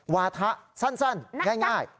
วาถะสั้นง่าย